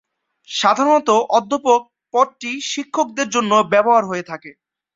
সাধারণত অধ্যাপক পদটি শিক্ষকদের জন্যই ব্যবহার করা হয়ে থাকে।